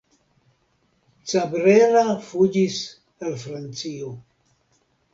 Cabrera fuĝis al Francio.